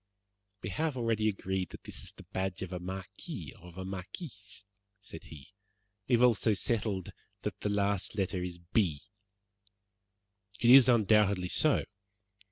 "We have already agreed that this is the badge of a marquis or of a marquise," said he. "We have also settled that the last letter is B." "It is undoubtedly so."